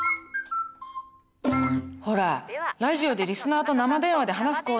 ほらラジオでリスナーと生電話で話す